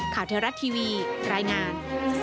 ข่าวเทวรัฐทีวีแรงงาน